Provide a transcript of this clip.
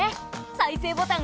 再生ボタン。